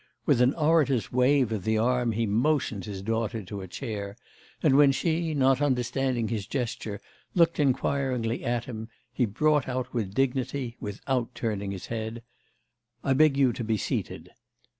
With an orator's wave of the arm he motioned his daughter to a chair, and when she, not understanding his gesture, looked inquiringly at him, he brought out with dignity, without turning his head: 'I beg you to be seated.